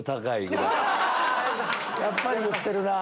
やっぱり言ってるなぁ。